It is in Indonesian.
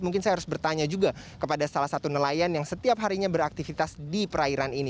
mungkin saya harus bertanya juga kepada salah satu nelayan yang setiap harinya beraktivitas di perairan ini